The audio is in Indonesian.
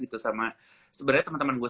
gitu sama sebenernya temen temen gue